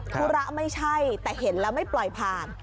ธุระไม่ใช่แต่เห็นแล้วไม่ปล่อยผ่าน